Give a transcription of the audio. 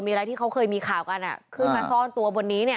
มีอะไรที่เขาเคยมีข่าวกันขึ้นมาซ่อนตัวบนนี้เนี่ย